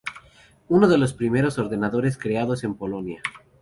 Uno de los primeros ordenadores creados en Polonia.